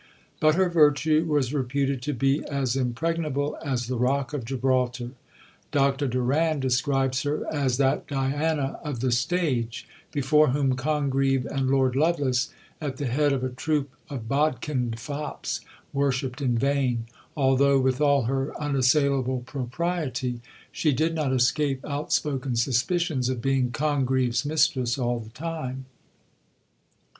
But her virtue was reputed to be "as impregnable as the rock of Gibraltar." Dr Doran describes her as "that Diana of the stage, before whom Congreve and Lord Lovelace, at the head of a troop of bodkined fops, worshipped in vain"; although, with all her unassailable propriety, she did not escape outspoken suspicions of being Congreve's mistress all the time.